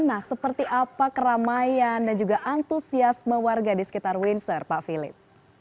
nah seperti apa keramaian dan juga antusiasme warga di sekitar windsor pak philip